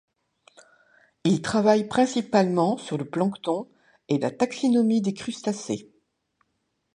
Il travaille principalement sur le plancton et la taxinomie des crustacés.